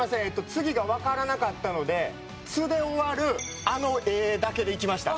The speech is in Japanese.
次がわからなかったので「つ」で終わるあの画だけでいきました。